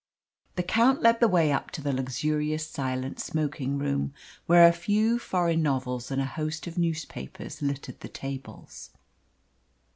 The Count led the way up to the luxurious silent smoking room, where a few foreign novels and a host of newspapers littered the tables.